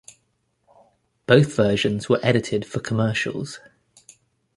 Both versions were edited for commercials.